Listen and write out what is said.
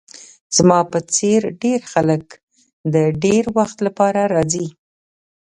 زما په څیر ډیر خلک د ډیر وخت لپاره راځي